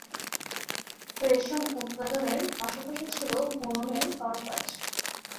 রেশম উৎপাদনের পাশাপাশি ছিল বুননের কারুকাজ।